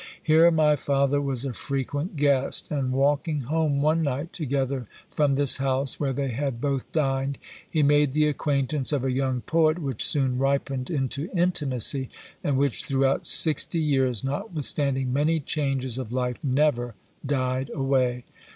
Here my father was a frequent guest, and walking home one night together from this house, where they had both dined, he made the acquaintance of a young poet, which soon ripened into intimacy, and which throughout sixty years, notwithstanding many changes of life, never died away.